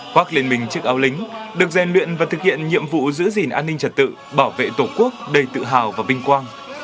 khoác lên mình trước áo lính được rèn luyện và thực hiện nhiệm vụ giữ gìn an ninh trật tự bảo vệ tổ quốc đầy tự hào và vinh quang